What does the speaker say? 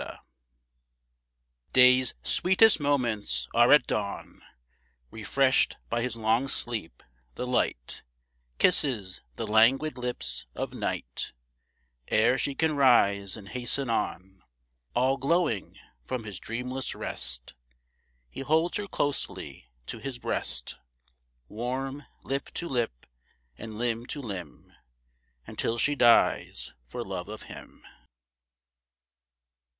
DAWN. Day's sweetest moments are at dawn; Refreshed by his long sleep, the Light Kisses the languid lips of Night, Ere she can rise and hasten on. All glowing from his dreamless rest He holds her closely to his breast, Warm lip to lip and limb to limb, Until she dies for love of him.